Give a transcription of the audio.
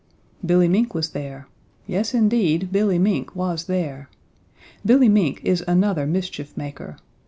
Billy Mink was there. Yes indeed, Billy Mink was there! Billy Mink is another mischief maker.